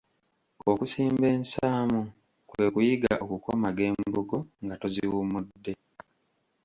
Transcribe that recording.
Okusimba ensaamu kwe kuyiga okukomaga embugo nga toziwummudde.